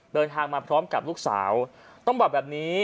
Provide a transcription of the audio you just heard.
เดินทางมาพร้อมกับลูกสาวต้องบอกแบบนี้